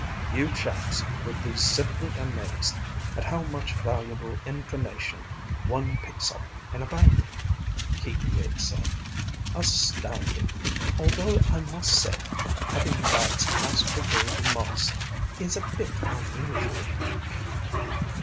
"You chaps would be simply amazed at how much valuable information one picks up in a bank," Keaton Yeats said. "Astounding. Although I must say having lads ask for golden mice is a bit unusual."